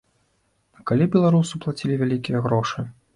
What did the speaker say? А калі беларусу плацілі вялікія грошы?